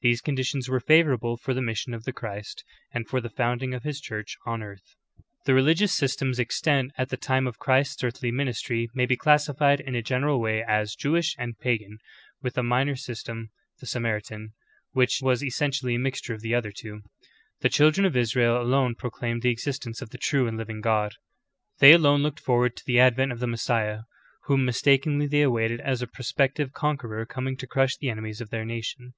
These conditions were favor able for the mission of the Christ, and for the founding of His Church on earth. « See Note 1, end of chapter. 2 2 THE GREAT APOSTASY. 4. The religious systems extant at the time of Christ's earthly ministry may be classified in a general way as Jew ish and Pagan, with a minor system — the Samaritan — which was essentially a mixture of the other two. The children of Israel alone proclaimed the existence of the true and living God ; they alone looked forward to the advent of the Messiah, whom mistakenly they awaited as a prospective conqueror coming to crush the enemies of their nation.